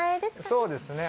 そうですね。